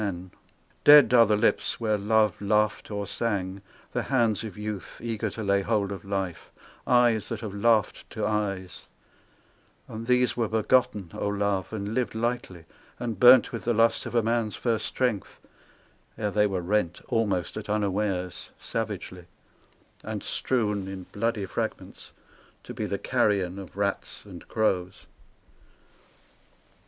POETS MILITANT 271 Dead are the lips where love laughed or sang, The hands of youth eager to lay hold of life, Eyes that have laughed to eyes, And these were begotten, O Love, and lived lightly, and burnt With the lust of a man's first strength : ere they were rent, Almost at unawares, savagely ; and strewn In bloody fragments, to be the carrion Of rats and crows.